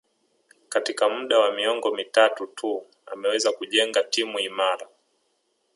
Katika muda wa miongo mitatu tu ameweza kujenga timu imara